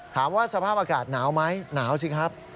สภาพอากาศหนาวไหมหนาวสิครับ